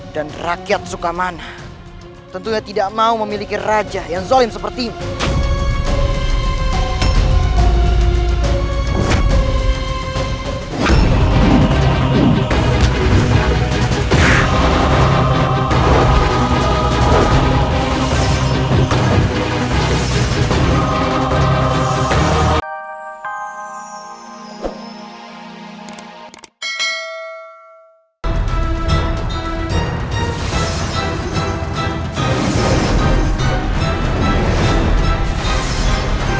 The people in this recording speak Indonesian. dan rakyat suka mana tentunya tidak mau memiliki raja yang zolim seperti ini